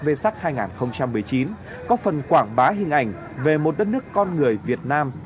vê sắc hai nghìn một mươi chín có phần quảng bá hình ảnh về một đất nước con người việt nam